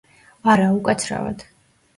არა, უკაცრავად.